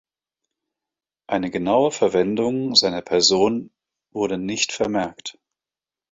Eine genaue Verwendung seiner Person wurde nicht vermerkt.